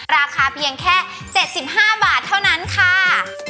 ราคาเพียงแค่๗๕บาทเท่านั้นค่ะ